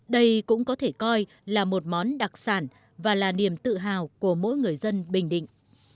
đây cũng có thể coi là một món đặc sản và là niềm tự hào của mỗi người dân bình định